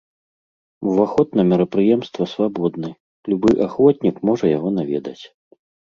Уваход на мерапрыемства свабодны, любы ахвотнік можа яго наведаць.